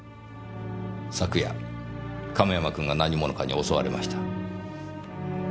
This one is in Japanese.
昨夜亀山君が何者かに襲われました。